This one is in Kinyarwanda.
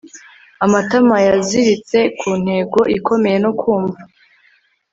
Amatama yiziritse ku ntego ikomeye no kumva